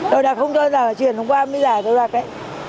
tôi đã không cho chuyện hôm qua mới giải tôi ra cái